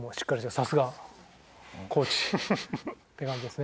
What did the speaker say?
さすがコーチって感じですね。